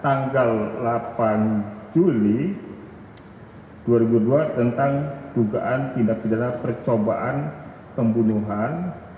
tanggal delapan juli dua ribu dua puluh dua tentang dugaan tidak berdana percobaan pembunuhan